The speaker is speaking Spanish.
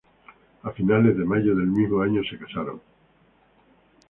A finales de mayo del mismo año se casaron.